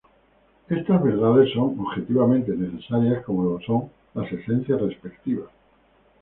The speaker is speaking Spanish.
Estas verdades son objetivamente necesarias como lo son las esencias respectivas.